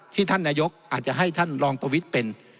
ท่านนายกอาจจะให้ท่านรองประวิทย์เป็น